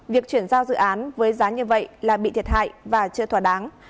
việc chuyển giao dự án với giá như vậy là bị thiệt hại và chưa thỏa đáng